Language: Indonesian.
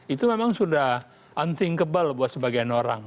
itu memang sudah unthinckable buat sebagian orang